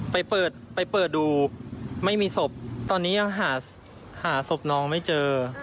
ไปเปิดไปเปิดดูไม่มีศพตอนนี้ยังหาศพน้องไม่เจอ